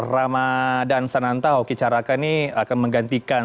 ramadan sananta hoki caraca ini akan menggantikan